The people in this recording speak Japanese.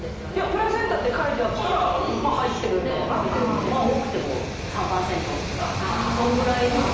プラセンタって書いてあったらまあ入ってるんだろうなっていうとかそんぐらいの？